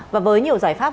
và với nhiều giải pháp